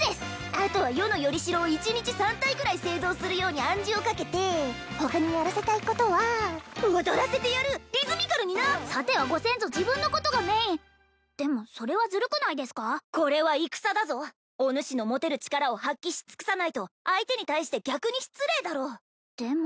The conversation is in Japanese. あとは余のよりしろを１日３体ぐらい製造するように暗示をかけて他にやらせたいことは踊らせてやるリズミカルになさてはご先祖自分のことがメインでもそれはずるくないですかこれは戦だぞおぬしの持てる力を発揮し尽くさないと相手に対して逆に失礼だろでも